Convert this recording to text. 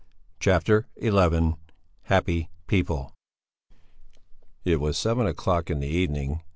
CHAPTER XI HAPPY PEOPLE It was seven o'clock in the evening.